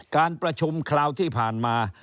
การประชุมคราวที่ผ่านมา